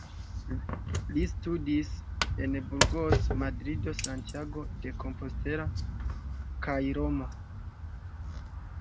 Li studis en Burgos, Madrido, Santiago de Compostela kaj Romo.